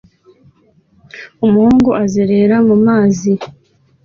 Umuhungu azerera mu mazi